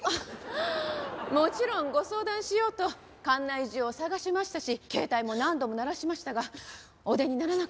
もちろんご相談しようと館内中を探しましたし携帯も何度も鳴らしましたがお出にならなかったので。